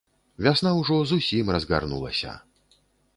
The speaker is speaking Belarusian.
Вясна ўжо зусім разгарнулася.